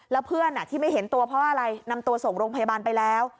แล้วเพื่อนที่ไม่เห็นตัวเพราะอะไรนำตัวส่งโรงพยาบาลไปแล้ว